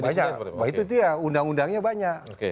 banyak itu ya undang undangnya banyak